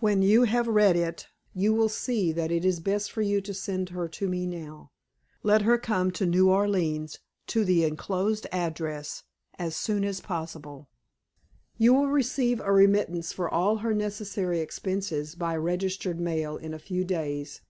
When you have read it, you will see that it is best for you to send her to me now. Let her come to New Orleans, to the inclosed address, as soon as possible. You will receive a remittance for all her necessary expenses, by registered mail, in a few days.